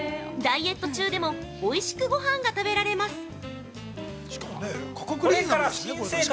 ダイエット中でも、おいしくご飯が食べられます！